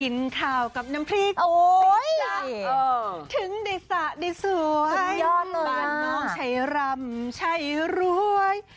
กินข้าวกับน้ำพริกโอ้ยถึงได้สะได้สวยยอดเลยอ่ะบ้านน้องใช้รำใช้รวย